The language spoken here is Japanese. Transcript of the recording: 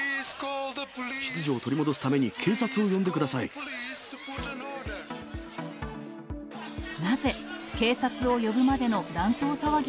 秩序を取り戻すために警察を呼んでください。